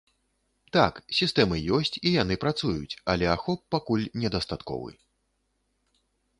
Так, сістэмы ёсць, і яны працуюць, але ахоп пакуль недастатковы.